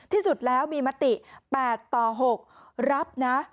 ที่สุดแล้วมีมติ๘ต่อ๖รับนะ